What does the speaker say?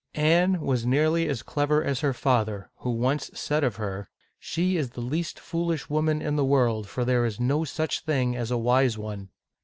Anne was nearly as clever as her father, who once said of her, " She is the least foolish woman in the world, for there is no such a thing as a wise one